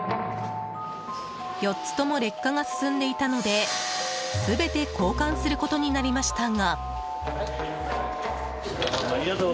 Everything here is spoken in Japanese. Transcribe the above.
４つとも劣化が進んでいたので全て交換することになりましたが。